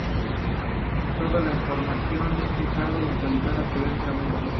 Todo la información es cifrada y actualizada periódicamente.